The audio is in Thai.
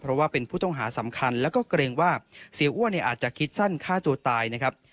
เพราะว่าเป็นผู้ต้องหาสำคัญแล้วก็เกรงว่าเสียอ้วนเนี่ยอาจจะคิดสั้นฆ่าตัวตายนะครับ